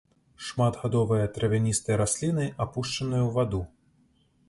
Шматгадовыя травяністыя расліны, апушчаныя ў ваду.